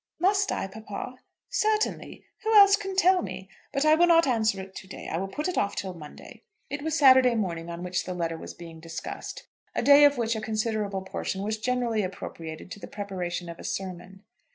"Must I, papa?" "Certainly! Who else can tell me? But I will not answer it to day. I will put it off till Monday." It was Saturday morning on which the letter was being discussed, a day of which a considerable portion was generally appropriated to the preparation of a sermon.